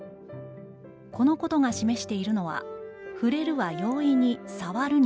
「このことが示しているのは、『ふれる』は容易に『さわる』に転じうるし」。